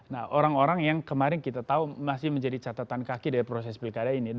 nah orang orang yang kemarin kita tahu masih menjadi catatan kaki dari proses pilkada ini